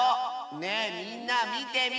ねえみんなみてみて。